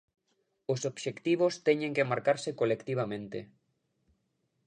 Os obxectivos teñen que marcarse colectivamente.